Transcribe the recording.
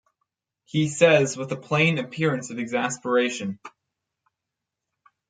he says, with a plain appearance of exasperation.